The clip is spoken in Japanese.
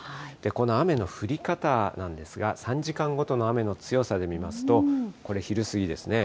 この雨の降り方なんですが、３時間ごとの雨の強さで見ますと、これ、昼過ぎですね。